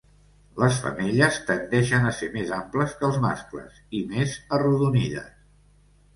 Les femelles tendeixen a ser més amples que els mascles i més arrodonides.